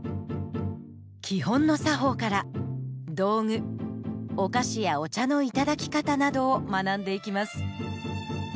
基本の作法から道具お菓子やお茶のいただき方などを学んでいきます。